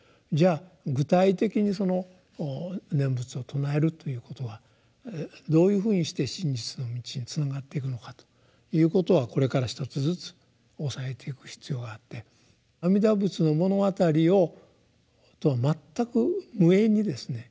あ具体的に「念仏を称える」ということはどういうふうにして真実の道につながっていくのかということはこれから一つずつ押さえていく必要があって「阿弥陀仏の物語」をとは全く無縁にですね